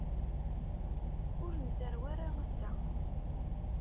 Ur nzerrew ara ass-a.